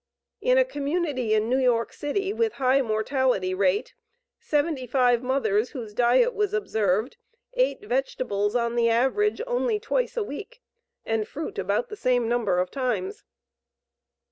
In a community in New York City with high mortality rate, 75 mothers whose diet was observed, ate vegetables on the average only twice a week, and fruit about the same number of times.